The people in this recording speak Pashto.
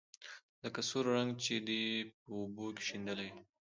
لکه سور رنګ چې دې په اوبو کې شېندلى وي.